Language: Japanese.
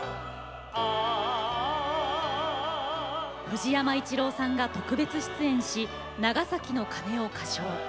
藤山一郎さんが特別出演し「長崎の鐘」を歌唱。